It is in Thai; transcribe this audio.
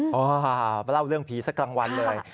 มาเล่าเรื่องผีสักกลางวันเลย